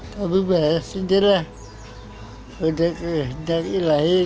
tapi bahas sendirian sudah kehendaki lahir